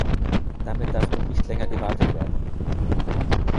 Damit darf nun nicht länger gewartet werden.